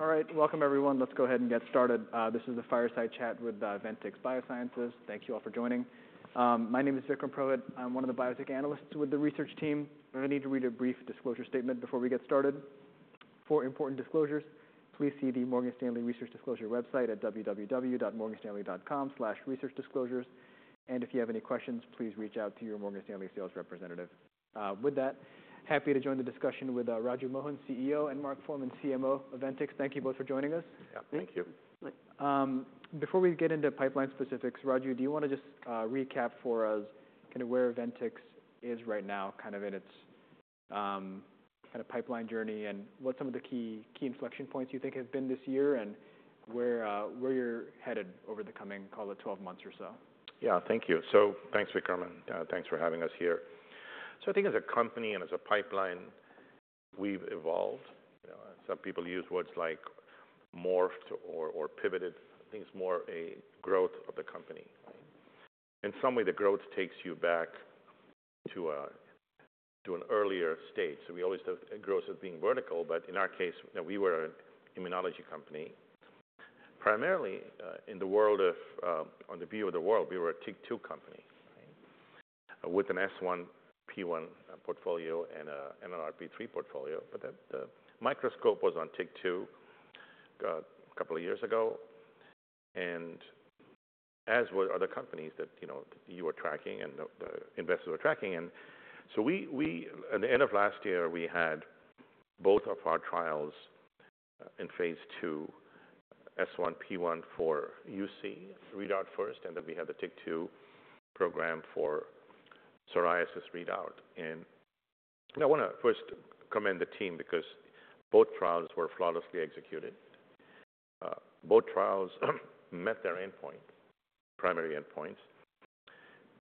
All right, welcome, everyone. Let's go ahead and get started. This is a fireside chat with Ventyx Biosciences. Thank you all for joining. My name is Vikram Purohit. I'm one of the biotech analysts with the research team. I need to read a brief disclosure statement before we get started. For important disclosures, please see the Morgan Stanley Research Disclosure website at www.morganstanley.com/researchdisclosures. If you have any questions, please reach out to your Morgan Stanley sales representative. With that, happy to join the discussion with Raju Mohan, CEO, and Mark Forman, CMO of Ventyx. Thank you both for joining us. Yeah, thank you. Thank you. Before we get into pipeline specifics, Raju, do you want to just recap for us kind of where Ventyx is right now, kind of in its pipeline journey, and what some of the key, key inflection points you think have been this year, and where you're headed over the coming, call it, twelve months or so? Yeah, thank you. Thanks, Vikram, and thanks for having us here. I think as a company and as a pipeline, we've evolved. You know, some people use words like morphed or pivoted. I think it's more a growth of the company. In some way, the growth takes you back to an earlier stage. We always have growth as being vertical, but in our case, we were an immunology company, primarily, in the world of, you know. On the view of the world, we were a TYK2 company, right? With an S1P1 portfolio and a NLRP3 portfolio. The microscope was on TYK2 a couple of years ago, as were other companies that, you know, you were tracking and the investors were tracking. We, at the end of last year, we had both of our trials in phase II, S1P1 for UC readout first, and then we had the TYK2 program for psoriasis readout. I want to first commend the team because both trials were flawlessly executed. Both trials met their primary endpoints.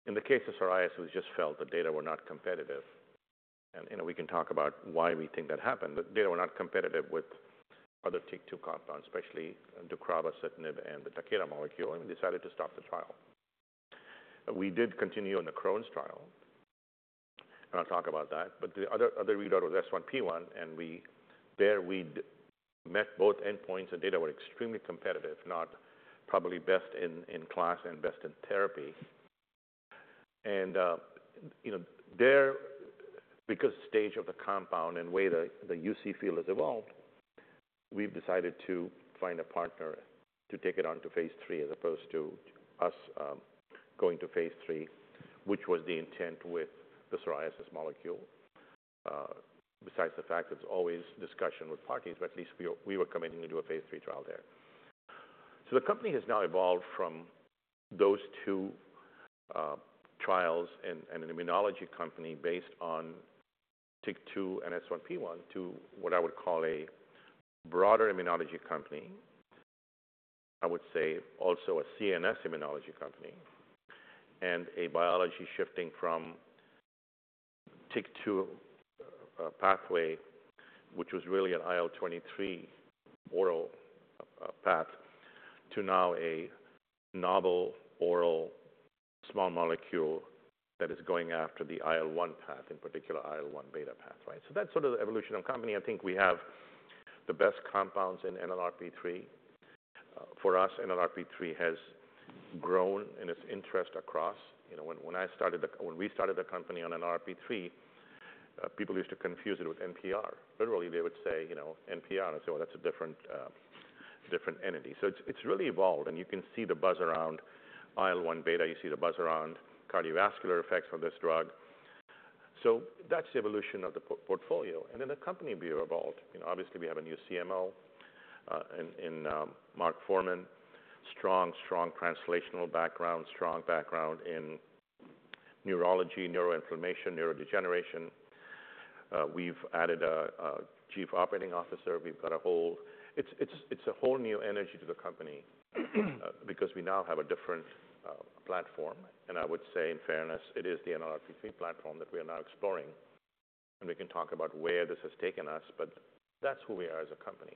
In the case of psoriasis, we just felt the data were not competitive, and, you know, we can talk about why we think that happened. The data were not competitive with other TYK2 compounds, especially deucravacitinib and the Takeda molecule, and we decided to stop the trial. We did continue on the Crohn's trial, and I'll talk about that, but the other readout was S1P1, and there we met both endpoints, and data were extremely competitive, probably best in class and best in therapy. You know, there, because stage of the compound and way the UC field has evolved, we've decided to find a partner to take it on to phase III, as opposed to us going to phase III, which was the intent with the psoriasis molecule. Besides the fact that there's always discussion with parties, but at least we were committing to do a phase III trial there. The company has now evolved from those two trials and an immunology company based on TYK2 and S1P1 to what I would call a broader immunology company. I would say also a CNS immunology company and a biology shifting from TYK2 pathway, which was really an IL-23 oral path, to now a novel oral small molecule that is going after the IL-1 path, in particular IL-1 beta path, right? That's sort of the evolution of the company. I think we have the best compounds in NLRP3. For us, NLRP3 has grown in its interest across. You know, when I started the when we started the company on NLRP3, people used to confuse it with NPR. Literally, they would say, you know, "NPR," and I'd say, "That's a different, different entity." It's really evolved, and you can see the buzz around IL-1 beta. You see the buzz around cardiovascular effects of this drug. That's the evolution of the portfolio. The company view evolved. You know, obviously, we have a new CMO, in Mark Forman. Strong, strong translational background, strong background in neurology, neuroinflammation, neurodegeneration. We've added a chief operating officer. We've got a whole new energy to the company, because we now have a different platform, and I would say, in fairness, it is the NLRP3 platform that we are now exploring, and we can talk about where this has taken us, but that's where we are as a company.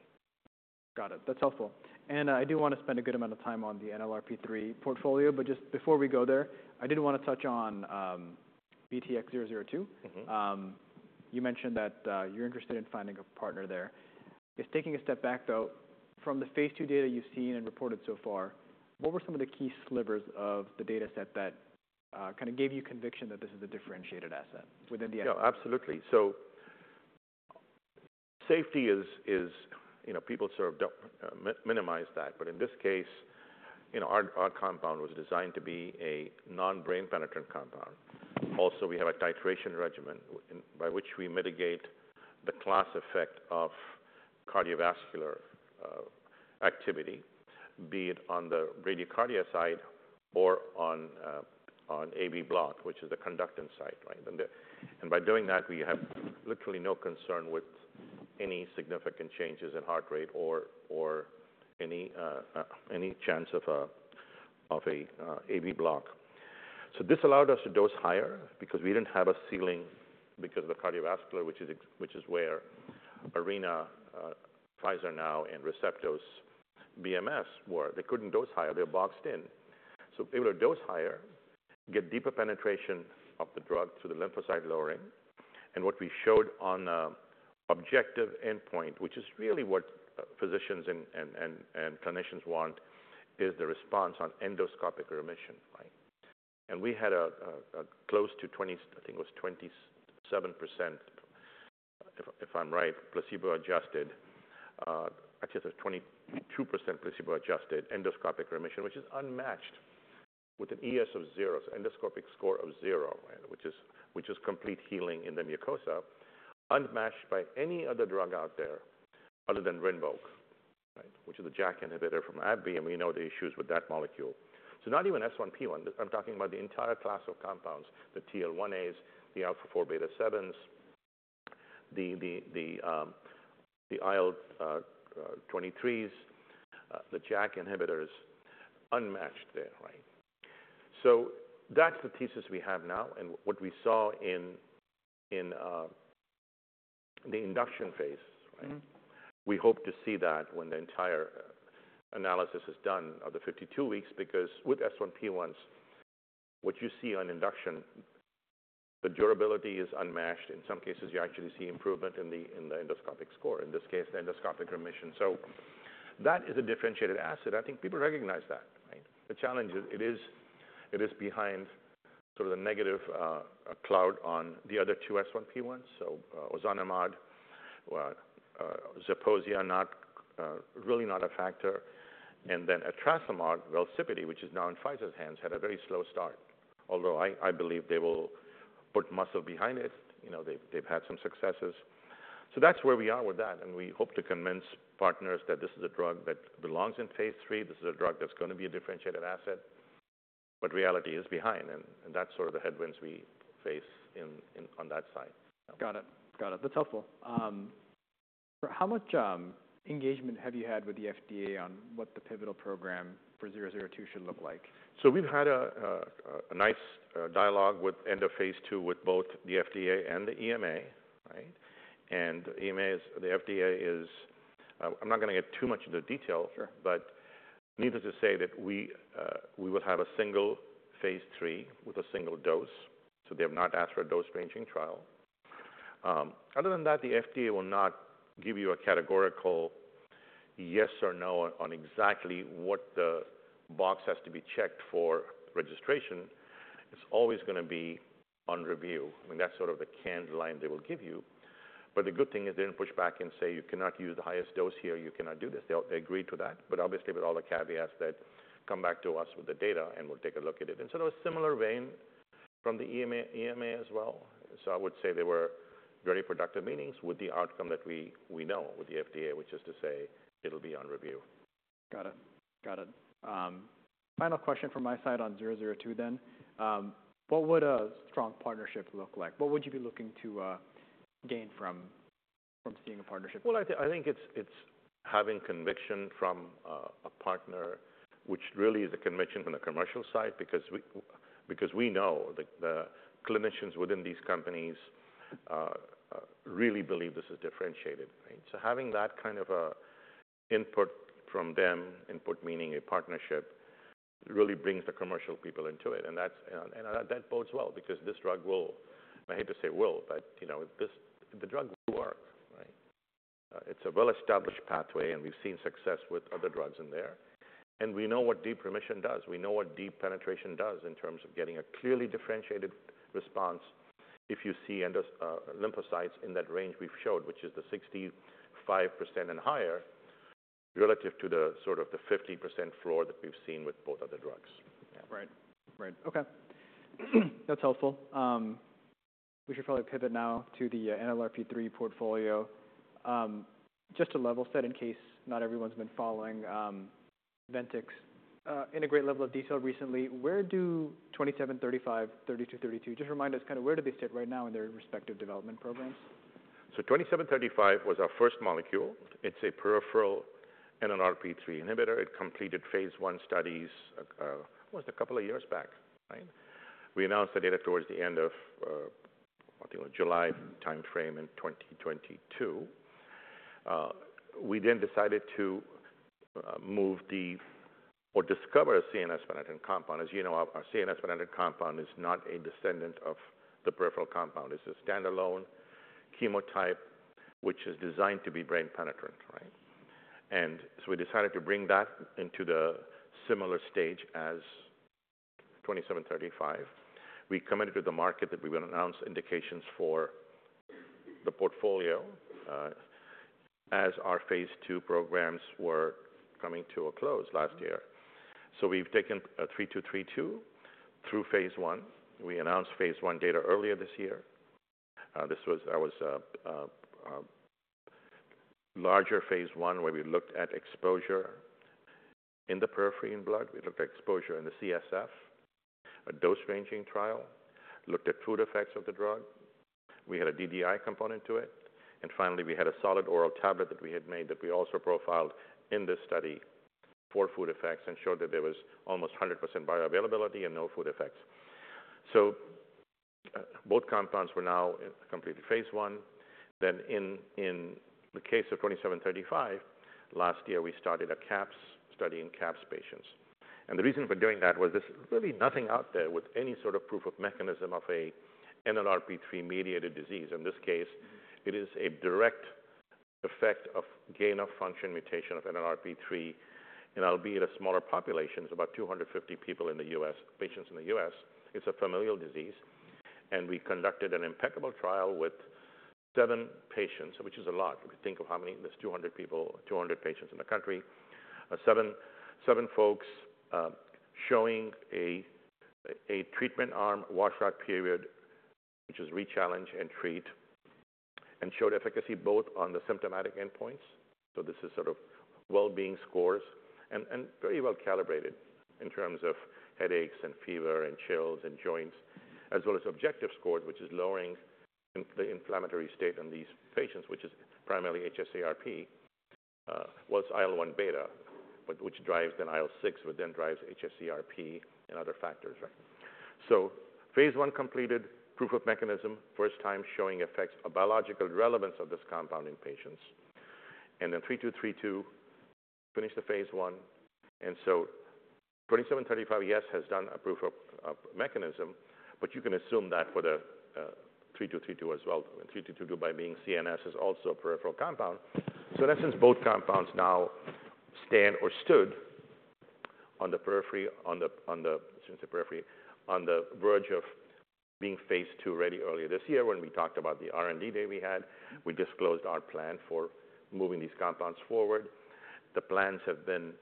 Got it. That's helpful. I do want to spend a good amount of time on the NLRP3 portfolio, but just before we go there, I did want to touch on VTX-002. You mentioned that you're interested in finding a partner there. Just taking a step back, though, from the phase II data you've seen and reported so far, what were some of the key slivers of the data set that kind of gave you conviction that this is a differentiated asset within the- Yeah, absolutely. Safety is, is, you know, people sort of don't minimize that, but in this case, you know, our, our compound was designed to be a non-brain penetrant compound. Also, we have a titration regimen in, by which we mitigate the class effect of cardiovascular activity, be it on the bradycardia side or on AV block, which is the conductance side, right? By doing that, we have literally no concern with any significant changes in heart rate or, or any, any chance of a, of a AV block. This allowed us to dose higher because we didn't have a ceiling because of the cardiovascular, which is exactly which is where Arena, Pfizer now and Receptos, BMS were. They couldn't dose higher, they were boxed in. Able to dose higher, get deeper penetration of the drug through the lymphocyte lowering, and what we showed on objective endpoint, which is really what physicians and clinicians want, is the response on endoscopic remission. Right? And we had a close to 20%, I think it was 27%, if I'm right, placebo-adjusted. Actually, it was 22% placebo-adjusted endoscopic remission, which is unmatched with an ES of zero, so endoscopic score of zero, right? Which is complete healing in the mucosa, unmatched by any other drug out there other than Rinvoq, right? Which is a JAK inhibitor from AbbVie, and we know the issues with that molecule. Not even S1P1, I'm talking about the entire class of compounds, the TL1As, the alpha-4 beta-7s, the IL-23s, the JAK inhibitors unmatched there, right? That's the thesis we have now and what we saw in the induction phase. We hope to see that when the entire analysis is done of the fifty-two weeks, because with S1P1s, what you see on induction, the durability is unmatched. In some cases, you actually see improvement in the endoscopic score, in this case, the endoscopic remission. That is a differentiated asset. I think people recognize that, right? The challenge is, it is behind sort of the negative cloud on the other two S1P1s. Ozanimod, siponimod, really not a factor. Etrasimod, Velsipity, which is now in Pfizer's hands, had a very slow start, although I believe they will put muscle behind it. You know, they've had some successes. That is where we are with that, and we hope to convince partners that this is a drug that belongs in phase III. This is a drug that's gonna be a differentiated asset, but reality is behind and that's sort of the headwinds we face on that side. Got it. Got it. That's helpful. How much engagement have you had with the FDA on what the pivotal program for VTX002 should look like? We've had a nice dialogue with end of phase II with both the FDA and the EMA, right? The EMA is... The FDA is, I'm not gonna get too much into detail- Sure... but needless to say, that we will have a single phase III with a single dose, so they have not asked for a dose-ranging trial. Other than that, the FDA will not give you a categorical yes or no on exactly what the box has to be checked for registration. It's always gonna be on review, and that's sort of the canned line they will give you. The good thing is they didn't push back and say, "You cannot use the highest dose here, you cannot do this." They agreed to that, obviously with all the caveats that come back to us with the data, and we'll take a look at it. In a similar vein from the EMA, EMA as well. I would say they were very productive meetings with the outcome that we know with the FDA, which is to say it'll be on review. Got it. Got it. Final question from my side on VTX002 then. What would a strong partnership look like? What would you be looking to gain from, from seeing a partnership? I think it's having conviction from a partner, which really is a conviction from the commercial side, because we know the clinicians within these companies really believe this is differentiated, right? Having that kind of input from them, input meaning a partnership, really brings the commercial people into it, and that bodes well because this drug will... I hate to say will, but, you know, the drug will work, right? It's a well-established pathway, and we've seen success with other drugs in there. We know what deep remission does. We know what deep penetration does in terms of getting a clearly differentiated response. If you see endo- lymphocytes in that range we've showed, which is the 65% and higher, relative to the sort of the 50% floor that we've seen with both of the drugs. Right. Right. Okay. That's helpful. We should probably pivot now to the NLRP3 portfolio. Just to level set, in case not everyone's been following Ventyx in a great level of detail recently, where do VTX2735, VTX3232. Just remind us kind of where do they sit right now in their respective development programs? VTX2735 was our first molecule. It's a peripheral NLRP3 inhibitor. It completed phase I studies, it was a couple of years back, right? We announced the data towards the end of, I think, July timeframe in 2022. We then decided to move the or discover a CNS penetrant compound. As you know, our CNS penetrant compound is not a descendant of the peripheral compound. It's a standalone chemotype, which is designed to be brain penetrant, right? We decided to bring that into the similar stage as VTX2735. We committed to the market that we would announce indications for the portfolio as our phase II programs were coming to a close last year. We've taken VTX3232 through phase I. We announced phase I data earlier this year. That was a larger phase I, where we looked at exposure in the periphery in blood. We looked at exposure in the CSF, a dose-ranging trial, looked at food effects of the drug. We had a DDI component to it, and finally, we had a solid oral tablet that we had made that we also profiled in this study for food effects and showed that there was almost 100% bioavailability and no food effects. Both compounds were now in completed phase I. In the case of VTX2735, last year, we started a CAPS study in CAPS patients. The reason for doing that was there's really nothing out there with any sort of proof of mechanism of a NLRP3 mediated disease. In this case, it is a direct effect of gain-of-function mutation of NLRP3, and albeit a smaller population, it's about 250 people in the U.S., patients in the U.S. It's a familial disease, and we conducted an impeccable trial with seven patients, which is a lot, if you think of how many—there's 200 people, 200 patients in the country. Seven, seven folks, showing a treatment arm washout period, which is rechallenge and treat, and showed efficacy both on the symptomatic endpoints. This is sort of well-being scores and very well calibrated in terms of headaches and fever and chills and joints, as well as objective scores, which is lowering in—the inflammatory state on these patients, which is primarily hs-CRP, was IL-1 beta, but which drives then IL-6, which then drives hs-CRP and other factors, right? Phase one completed, proof of mechanism, first time showing effects of biological relevance of this compound in patients. VTX3232 finished the phase I, and so VTX2735, yes, has done a proof of mechanism, but you can assume that for the VTX3232 as well. VTX3232 by being CNS, is also a peripheral compound. In essence, both compounds now stand or stood on the periphery, on the verge of being phase II-ready earlier this year when we talked about the R&D day we had. We disclosed our plan for moving these compounds forward. The plans have been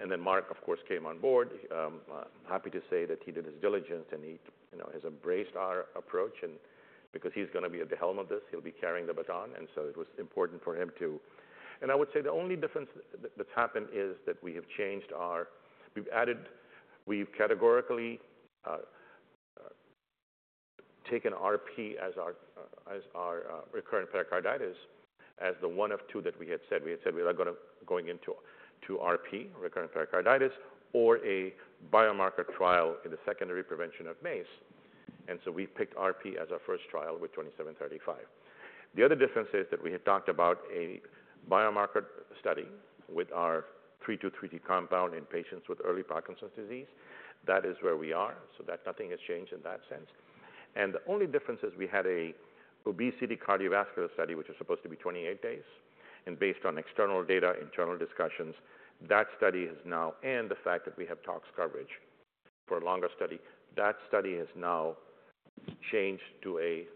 and then Mark, of course, came on board. Happy to say that he did his diligence and he, you know, has embraced our approach, and because he's gonna be at the helm of this, he'll be carrying the baton, and so it was important for him to... I would say the only difference that, that's happened is that we have changed our- we've added- we've categorically, you know, taken RP as our, you know, as our, recurrent pericarditis as the one of two that we had said. We had said we are gonna-- going into two RP, recurrent pericarditis, or a biomarker trial in the secondary prevention of MACE, and so we picked RP as our first trial with VTX2735. The other difference is that we had talked about a biomarker study with our VTX3232 compound in patients with early Parkinson's disease. That is where we are, so that nothing has changed in that sense. The only difference is we had a obesity cardiovascular study, which was supposed to be 28 days, and based on external data, internal discussions, that study has now... and the fact that we have tox coverage for a longer study, that study has now changed to a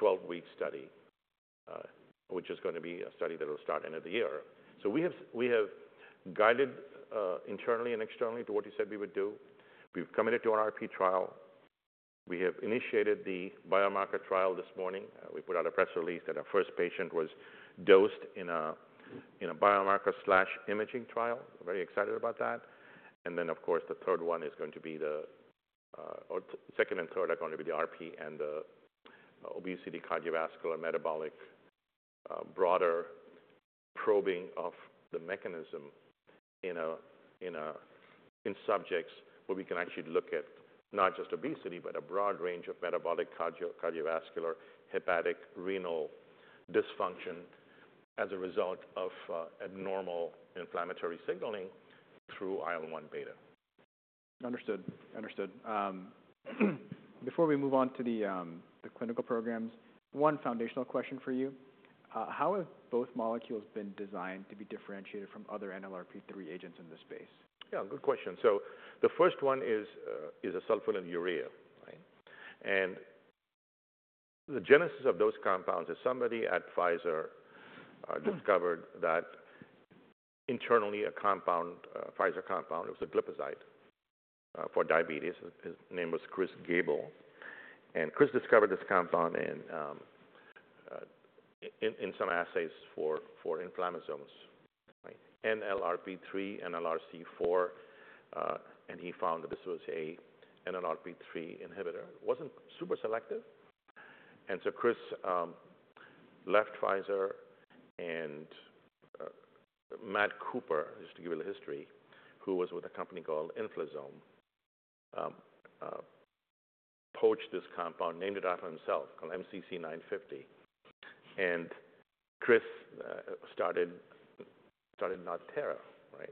12-week study, which is gonna be a study that will start end of the year. We have, we have guided, internally and externally to what we said we would do. We've committed to our RP trial. We have initiated the biomarker trial this morning. We put out a press release that our first patient was dosed in a, in a biomarker/imaging trial. Very excited about that. Of course, the third one is going to be the... Second and third are going to be the RP and the obesity, cardiovascular, metabolic, broader probing of the mechanism in a, in subjects where we can actually look at not just obesity, but a broad range of metabolic, cardiovascular, hepatic, renal dysfunction as a result of abnormal inflammatory signaling through IL-1 beta. Understood. Understood. Before we move on to the clinical programs, one foundational question for you. How have both molecules been designed to be differentiated from other NLRP3 agents in this space? Yeah, good question. The first one is, is a sulfonylurea, right? And the genesis of those compounds is somebody at Pfizer, discovered that internally, a compound, a Pfizer compound, it was a glipizide, for diabetes. His name was Chris Gabel. And Chris discovered this compound in, in some assays for, for inflammasomes, right? NLRP3, NLRP4, and he found that this was a NLRP3 inhibitor. Wasn't super selective. And so Chris left Pfizer and Matt Cooper, just to give you the history, who was with a company called Inflazome, poached this compound, named it after himself, called MCC950. And Chris started, started NodThera, right?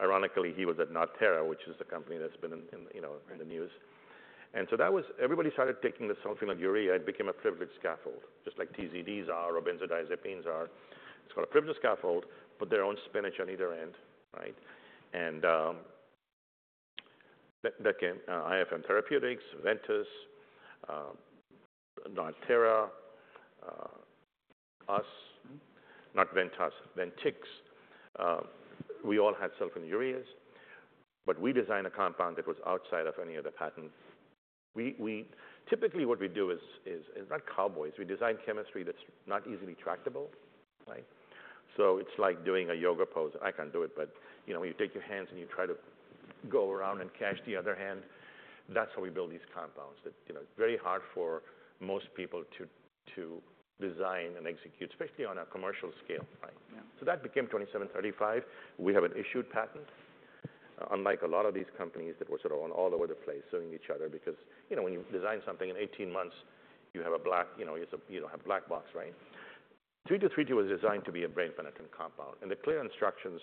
Ironically, he was at NodThera, which is a company that's been in, in, you know, in the news. That was... Everybody started taking the sulfonylurea. It became a privileged scaffold, just like TZDs are, or benzodiazepines are. It's called a privileged scaffold, put their own spinach on either end, right? That came, IFM Therapeutics, Ventyx, NodThera, us- Not Ventyx. We all had sulfonylureas, but we designed a compound that was outside of any of the patents. We, we, typically, what we do is not cowboys. We design chemistry that's not easily tractable, right? So it's like doing a yoga pose. I can't do it, but, you know, when you take your hands and you try to go around and catch the other hand, that's how we build these compounds. That, you know, very hard for most people to design and execute, especially on a commercial scale, right? Yeah. That became VTX2735. We have an issued patent. Unlike a lot of these companies that were sort of all over the place, suing each other, because, you know, when you design something in eighteen months, you have a black, you know, it's a, you know, have a black box, right? VTX3232 was designed to be a brain penetrant compound. And the clear instructions,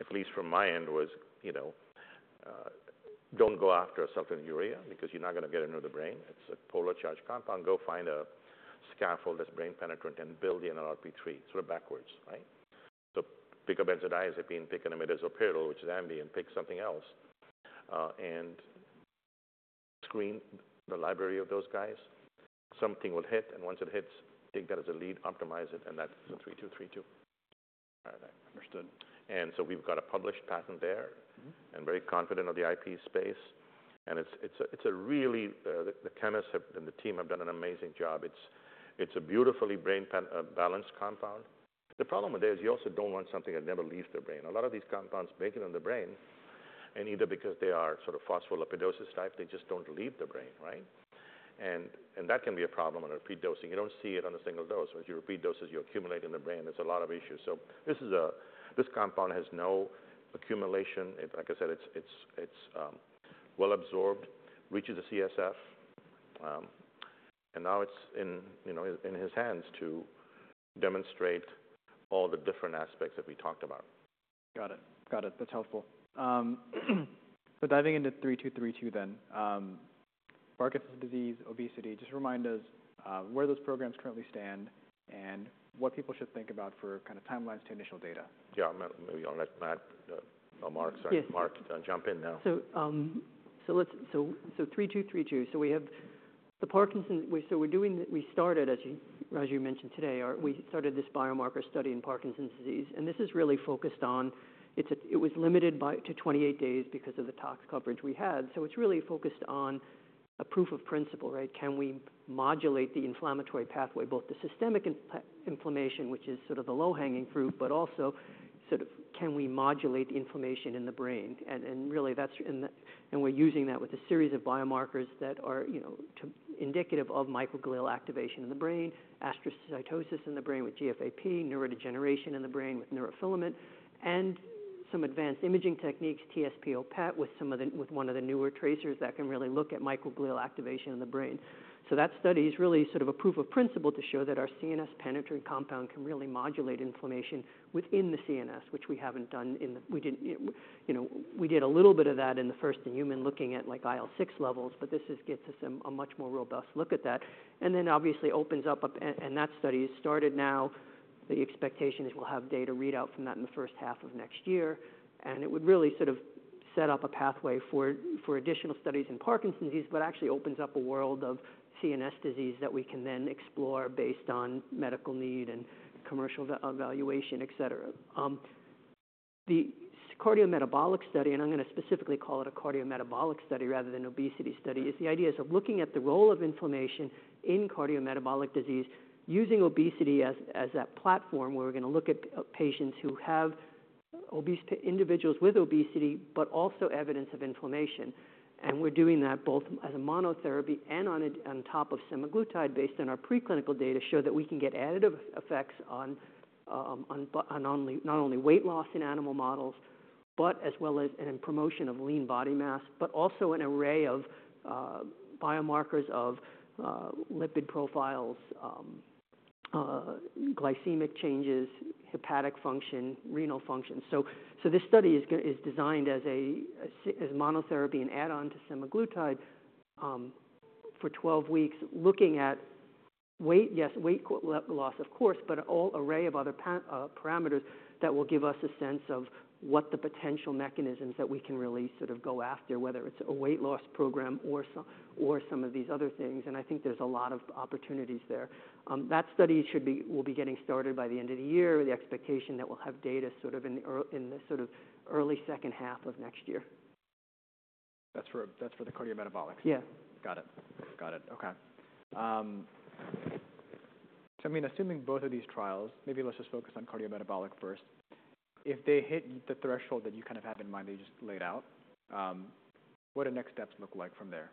at least from my end, was, you know, don't go after a sulfonylurea, because you're not gonna get it into the brain. It's a polar charged compound. Go find a scaffold that's brain penetrant and build the NLRP3 sort of backwards, right? Pick a benzodiazepine, pick an imidazopyridine, which is Ambien, pick something else, and screen the library of those guys. Something will hit, and once it hits, take that as a lead, optimize it, and that's the VTX3232. All right, understood. We've got a published patent there. I'm very confident of the IP space, and it's, it's a, it's a really, the chemists have, and the team have done an amazing job. It's, it's a beautifully brain-penetrant, balanced compound. The problem with it is you also don't want something that never leaves the brain. A lot of these compounds make it in the brain, and either because they are sort of phospholipid type, they just don't leave the brain, right? That can be a problem on a repeat dosing. You don't see it on a single dose. Once you repeat doses, you accumulate in the brain, there's a lot of issues. This compound has no accumulation. Like I said, it's, it's, it's well absorbed, reaches the CSF, and now it's in, you know, in his hands to demonstrate all the different aspects that we talked about. Got it. Got it. That's helpful. So diving into VTX3232 then, Parkinson's disease, obesity, just remind us, where those programs currently stand and what people should think about for kinda timelines to initial data. Yeah, I'm gonna maybe I'll let Matt, or Mark, sorry— Yes. Mark, jump in now. Let's-- VTX3232. We have the Parkinson's-- we-- we're doing... We started, as you, Raju mentioned today, we started this biomarker study in Parkinson's disease, and this is really focused on... It was limited to 28 days because of the tox coverage we had, so it's really focused on a proof of principle, right? Can we modulate the inflammatory pathway, both the systemic inflammation, which is sort of the low-hanging fruit, but also sort of can we modulate the inflammation in the brain? And really, that's in the... We're using that with a series of biomarkers that are, you know, indicative of microglial activation in the brain, astrocytosis in the brain with GFAP, neurodegeneration in the brain with neurofilament, and some advanced imaging techniques, TSPO PET, with one of the newer tracers that can really look at microglial activation in the brain. That study is really sort of a proof of principle to show that our CNS penetrant compound can really modulate inflammation within the CNS, which we haven't done in the—you know, we did a little bit of that in the first in human looking at, like, IL-6 levels, but this gets us a much more robust look at that. Obviously, it opens up a... That study is started now. The expectation is we'll have data readout from that in the first half of next year, and it would really sort of set up a pathway for, for additional studies in Parkinson's disease, but actually opens up a world of CNS disease that we can then explore based on medical need and commercial evaluation, et cetera. The cardiometabolic study, and I'm gonna specifically call it a cardiometabolic study rather than obesity study, is the idea is of looking at the role of inflammation in cardiometabolic disease, using obesity as, as that platform, where we're gonna look at, patients who have obese—individuals with obesity, but also evidence of inflammation. We are doing that both as a monotherapy and on top of semaglutide, based on our preclinical data, showing that we can get additive effects on not only weight loss in animal models, but as well as in promotion of lean body mass, but also an array of biomarkers of lipid profiles, glycemic changes, hepatic function, renal function. This study is designed as monotherapy and add-on to semaglutide for twelve weeks, looking at weight, yes, weight loss, of course, but an array of other parameters that will give us a sense of what the potential mechanisms that we can really sort of go after, whether it is a weight loss program or some of these other things. I think there is a lot of opportunities there. That study should be, we'll be getting started by the end of the year, the expectation that we'll have data sort of in the early second half of next year. That's for, that's for the cardiometabolics? Yeah. Got it. Got it. Okay. So I mean, assuming both of these trials, maybe let's just focus on cardiometabolic first. If they hit the threshold that you kind of have in mind that you just laid out, what do next steps look like from there?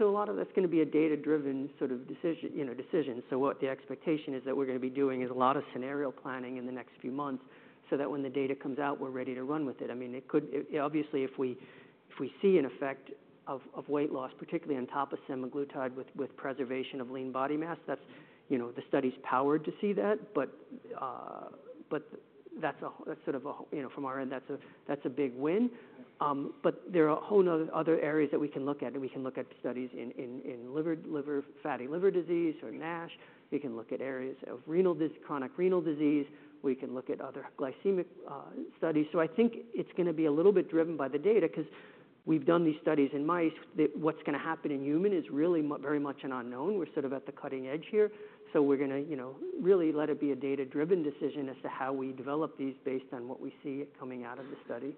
A lot of that's gonna be a data-driven sort of decision, you know, decision. What the expectation is that we're gonna be doing is a lot of scenario planning in the next few months, so that when the data comes out, we're ready to run with it. I mean, it could... Obviously, if we, if we see an effect of, of weight loss, particularly on top of semaglutide with, with preservation of lean body mass, that's, you know, the study's powered to see that. That's sort of a, you know, from our end, that's a, that's a big win. There are a whole other, other areas that we can look at. We can look at studies in liver, liver, fatty liver disease or NASH. We can look at areas of renal dis- chronic renal disease. We can look at other glycemic studies. I think it's gonna be a little bit driven by the data 'cause we've done these studies in mice, what's gonna happen in human is really very much an unknown. We're sort of at the cutting edge here. We're gonna, you know, really let it be a data-driven decision as to how we develop these based on what we see coming out of the study.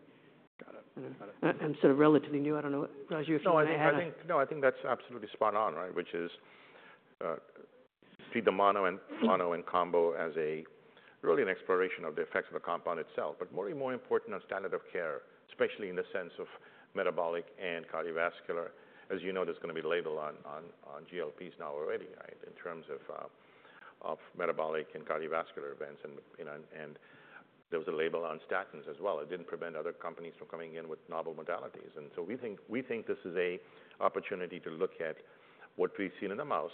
Got it. Got it. Sort of relatively new. I don't know, Raju, if you may add a— No, I think, no, I think that's absolutely spot on, right? Which is, treat the mono and combo as really an exploration of the effects of the compound itself, but more and more important on standard of care, especially in the sense of metabolic and cardiovascular. As you know, there's going to be label on GLPs now already, right? In terms of metabolic and cardiovascular events. You know, there was a label on statins as well. It didn't prevent other companies from coming in with novel modalities. We think this is an opportunity to look at what we've seen in a mouse,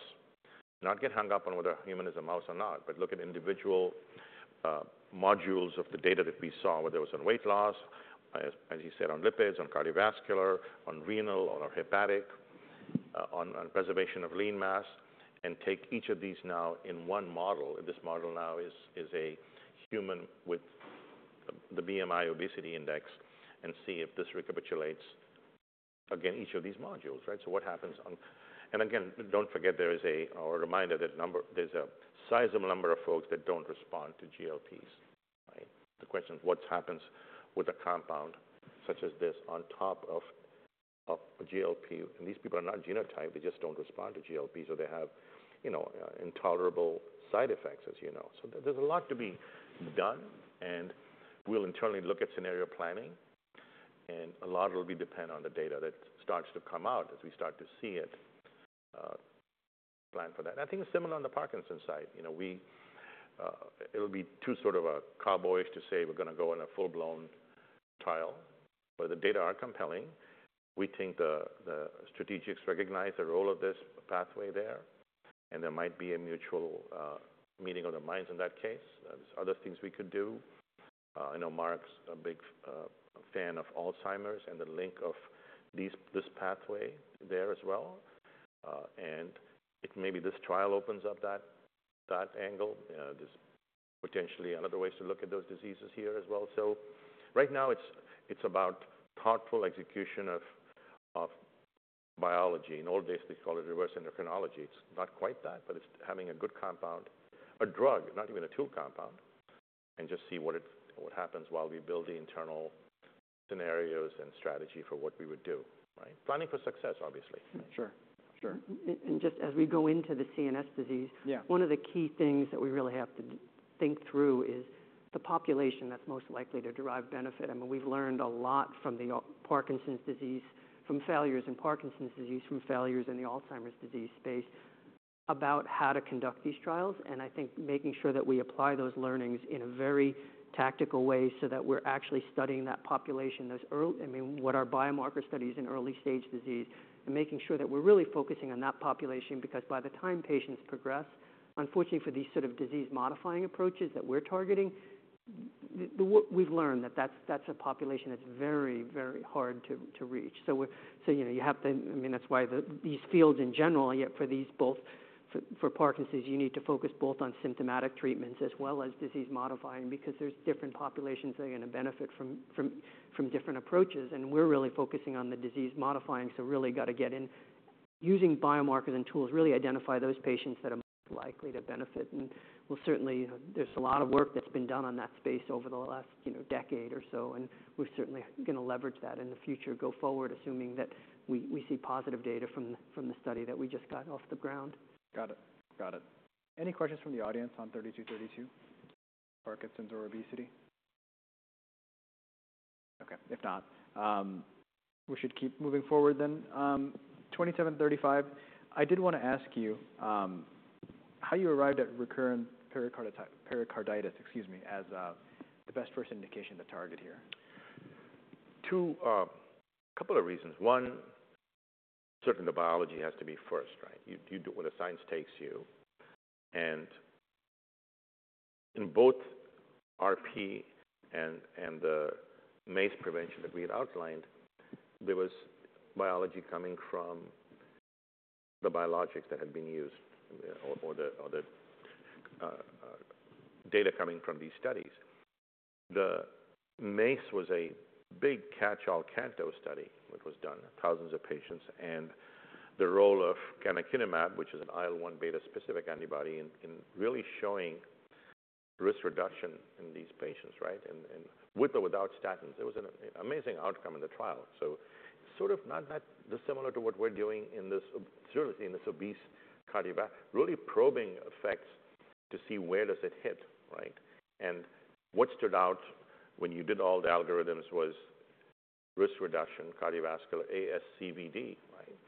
not get hung up on whether a human is a mouse or not, but look at individual modules of the data that we saw, whether it was on weight loss, as you said, on lipids, on cardiovascular, on renal, on hepatic, on preservation of lean mass, and take each of these now in one model. This model now is a human with the BMI obesity index, and see if this recapitulates again, each of these modules, right? What happens on-- Again, don't forget, there is a reminder that number-- there's a sizable number of folks that don't respond to GLPs, right? The question is what happens with a compound such as this on top of a GLP? These people are not genotyped, they just do not respond to GLP, so they have, you know, intolerable side effects, as you know. There is a lot to be done, and we will internally look at scenario planning, and a lot of it will depend on the data that starts to come out as we start to see it, plan for that. I think it is similar on the Parkinson's side. You know, it would be too sort of cowboy to say we are going to go on a full-blown trial, but the data are compelling. We think the strategics recognize the role of this pathway there, and there might be a mutual, you know, meeting of the minds in that case. There are other things we could do. I know Mark's a big, fan of Alzheimer's and the link of these, this pathway there as well, and maybe this trial opens up that, that angle. There's potentially other ways to look at those diseases here as well. Right now, it's, it's about thoughtful execution of, of biology. In old days, we call it reverse endocrinology. It's not quite that, but it's having a good compound, a drug, not even a tool compound, and just see what it, what happens while we build the internal scenarios and strategy for what we would do, right? Planning for success, obviously. Sure, sure. As we go into the CNS disease- Yeah. One of the key things that we really have to think through is the population that's most likely to derive benefit. I mean, we've learned a lot from the Parkinson's disease, from failures in Parkinson's disease, from failures in the Alzheimer's disease space, about how to conduct these trials. I think making sure that we apply those learnings in a very tactical way so that we're actually studying that population, those ear... I mean, what our biomarker studies in early stage disease, and making sure that we're really focusing on that population, because by the time patients progress, unfortunately, for these sort of disease-modifying approaches that we're targeting, we've learned that that's a population that's very, very hard to reach. You have to, I mean, that's why these fields in general, yet for these both, for Parkinson's, you need to focus both on symptomatic treatments as well as disease modifying, because there's different populations that are gonna benefit from different approaches. We're really focusing on the disease modifying, so really got to get in using biomarkers and tools, really identify those patients that are most likely to benefit. There's a lot of work that's been done on that space over the last decade or so, and we're certainly gonna leverage that in the future. Go forward, assuming that we see positive data from the study that we just got off the ground. Got it. Got it. Any questions from the audience on VTX3232, Parkinson's or obesity? Okay, if not, we should keep moving forward then. VTX2735, I did want to ask you how you arrived at recurrent pericarditis, excuse me, as the best first indication to target here? Two, couple of reasons. One, certainly the biology has to be first, right? You, you do what the science takes you. And in both RP and, and the MACE prevention that we had outlined, there was biology coming from the biologics that had been used or, or the, or the, data coming from these studies. The MACE was a big catch-all CANTOS study, which was done thousands of patients, and the role of canakinumab, which is an IL-1 beta specific antibody, in, in really showing risk reduction in these patients, right? And, with or without statins, it was an amazing outcome in the trial. Sort of not that dissimilar to what we're doing in this, certainly in this obese cardiovascular, really probing effects to see where does it hit, right? What stood out when you did all the algorithms was risk reduction, cardiovascular ASCVD, right?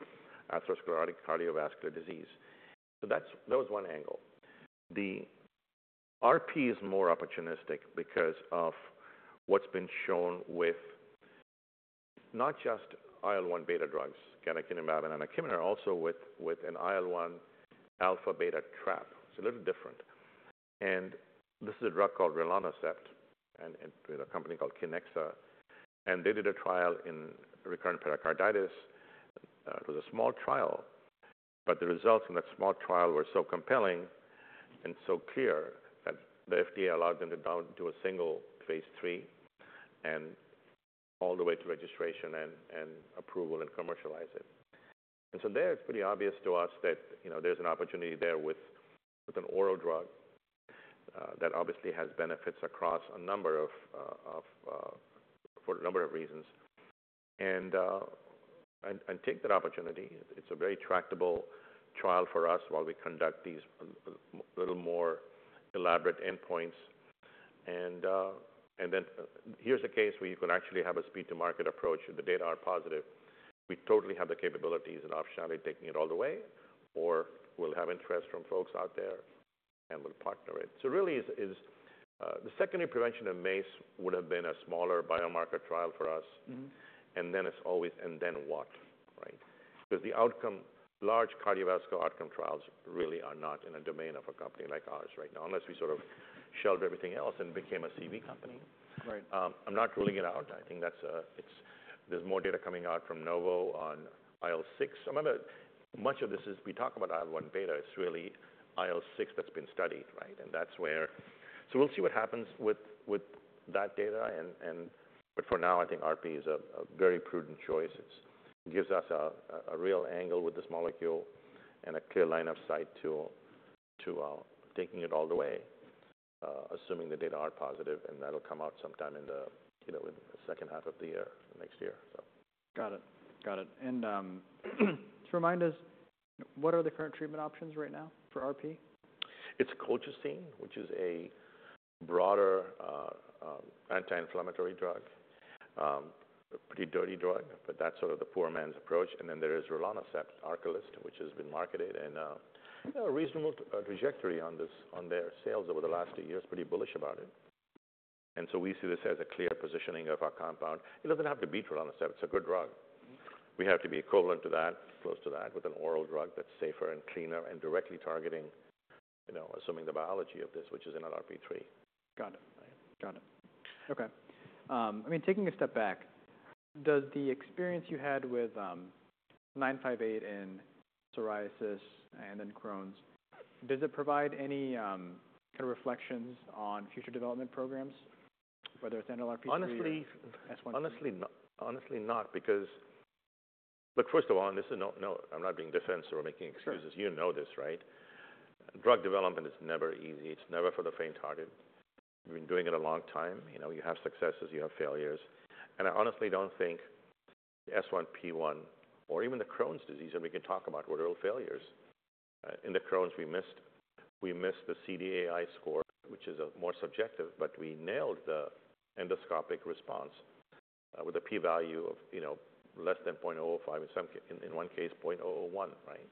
Atherosclerotic cardiovascular disease. That was one angle. The RP is more opportunistic because of what's been shown with not just IL-1 beta drugs, canakinumab and anakinra, also with an IL-1 alpha beta trap. It's a little different. This is a drug called rilonacept, and a company called Kiniksa, and they did a trial in recurrent pericarditis. It was a small trial, but the results from that small trial were so compelling and so clear that the FDA allowed them to go down to a single phase III and all the way to registration and approval and commercialize it. There, it's pretty obvious to us that, you know, there's an opportunity there with an oral drug that obviously has benefits across a number of, for a number of reasons and take that opportunity. It's a very tractable trial for us while we conduct these little more elaborate endpoints. And here's a case where you can actually have a speed to market approach. If the data are positive, we totally have the capabilities and optionally taking it all the way, or we'll have interest from folks out there, and we'll partner it. So really is, is, the secondary prevention of MACE would have been a smaller biomarker trial for us. It is always, "And then what?" Right? Because the outcome, large cardiovascular outcome trials really are not in a domain of a company like ours right now, unless we sort of shelved everything else and became a CV company. Right. I'm not ruling it out. I think that's, it's-- there's more data coming out from Novo on IL-6. Some of the-- much of this is, we talk about IL-1 beta, it's really IL-6 that's been studied, right? That's where we will see what happens with that data, but for now, I think RP is a very prudent choice. It gives us a real angle with this molecule and a clear line of sight to taking it all the way, assuming the data are positive, and that'll come out sometime in the second half of the year, next year. Got it. Got it. To remind us, what are the current treatment options right now for RP? It's colchicine, which is a broader, anti-inflammatory drug, a pretty dirty drug, but that's sort of the poor man's approach. There is rilonacept, Arcalyst, which has been marketed and, you know, a reasonable trajectory on their sales over the last two years. Pretty bullish about it. We see this as a clear positioning of our compound. It doesn't have to be rilonacept, it's a good drug. We have to be equivalent to that, close to that, with an oral drug that's safer and cleaner and directly targeting, you know, assuming the biology of this, which is an NLRP3. Got it. Right. Got it. Okay. I mean, taking a step back, does the experience you had with VTX958 in psoriasis and then Crohn's, does it provide any kind of reflections on future development programs, whether it's NLRP3 or- Honestly- S1P. Honestly, not. Because... Look, first of all, and this is no, no, I'm not being defensive or making excuses. Sure. You know this, right? Drug development is never easy. It's never for the faint-hearted. We've been doing it a long time. You know, you have successes, you have failures. I honestly don't think S1P1 or even the Crohn's disease, and we can talk about what are all failures. In the Crohn's, we missed, we missed the CDAI score, which is more subjective, but we nailed the endoscopic response, with a P value of, you know, less than 0.05%, in some cases, in one case, 0.001%, right?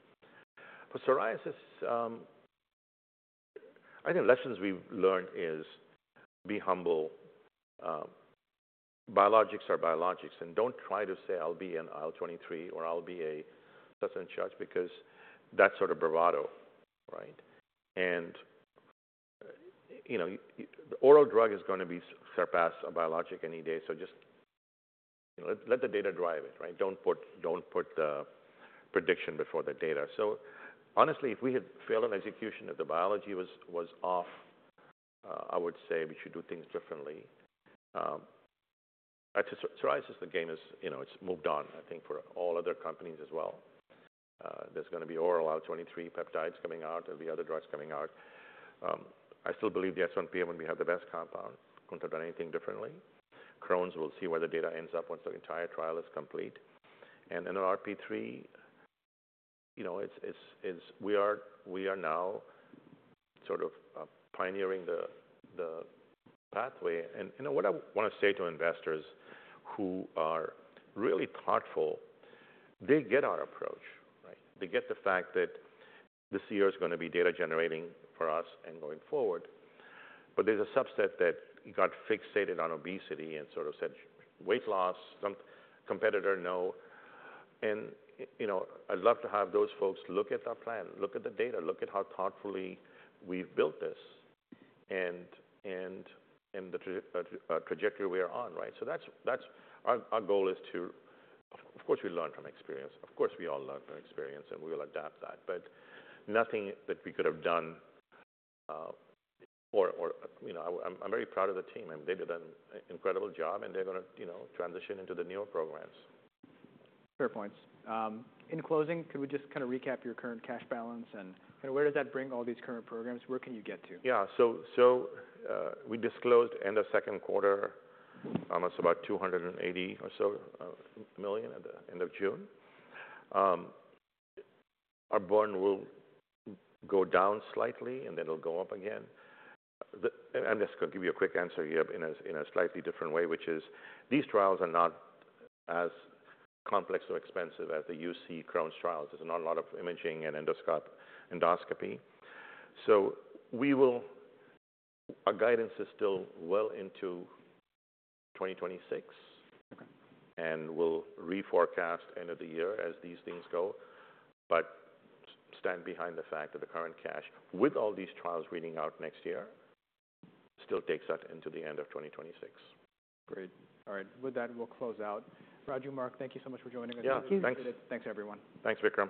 But psoriasis, I think the lessons we've learned is be humble. Biologics are biologics, and don't try to say, "I'll be in IL-23, or I'll be a certain charge," because that's sort of bravado, right? You know, oral drug is gonna be surpassed a biologic any day, so just, you know, let the data drive it, right? Do not put, do not put the prediction before the data. Honestly, if we had failed on execution, if the biology was off, I would say we should do things differently. At psoriasis, the game is, you know, it has moved on, I think, for all other companies as well. There are gonna be oral IL-23 peptides coming out, there will be other drugs coming out. I still believe the S1P, and we have the best compound, would not have done anything differently. Crohn's, we will see where the data ends up once the entire trial is complete. RP3, you know, it is, it is, it is... We are, we are now sort of pioneering the pathway. You know, what I want to say to investors who are really thoughtful, they get our approach, right? They get the fact that this year is going to be data-generating for us and going forward. There is a subset that got fixated on obesity and sort of said, "Weight loss," some competitor know. You know, I'd love to have those folks look at our plan, look at the data, look at how thoughtfully we've built this, and the trajectory we are on, right? That's our goal. Of course, we learn from experience. Of course, we all learn from experience, and we will adapt that, but nothing that we could have done, or, you know, I'm very proud of the team, and they did an incredible job, and they're going to transition into the newer programs. Fair points. In closing, could we just kind of recap your current cash balance, and where does that bring all these current programs? Where can you get to? Yeah. So, we disclosed end of second quarter, almost about $280 million at the end of June. Our burn will go down slightly, and then it'll go up again. I'm just gonna give you a quick answer here in a slightly different way, which is: these trials are not as complex or expensive as the UC Crohn's trials. There's not a lot of imaging and endoscopy. Our guidance is still well into 2026. Okay. We will reforecast end of the year as these things go, but stand behind the fact that the current cash, with all these trials reading out next year, still takes us into the end of 2026. Great. All right. With that, we'll close out. Raju, Mark, thank you so much for joining us. Yeah, thanks. Thanks, everyone. Thanks, Vikram.